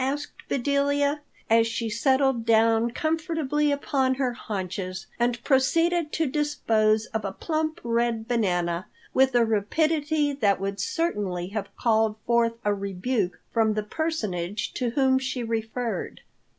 asked Bedelia, as she settled down comfortably upon her haunches and proceeded to dispose of a plump red banana with a rapidity that would certainly have called forth a rebuke from the personage to whom she referred.